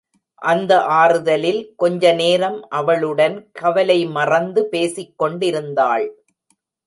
அந்த ஆறுதலில் கொஞ்சநேரம் அவளுடன் கவலை மறந்து பேசிக் கொண்டிருந்தாள்.